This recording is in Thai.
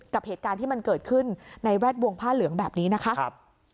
กับเหตุการณ์ที่มันเกิดขึ้นในแวดวงผ้าเหลืองแบบนี้นะคะ